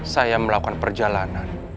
saya melakukan perjalanan